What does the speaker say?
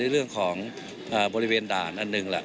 เรื่องของบริเวณด่านอันหนึ่งแหละ